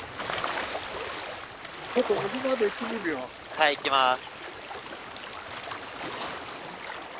はい行きます。